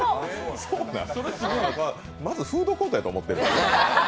まず、フードコートやと思ってる？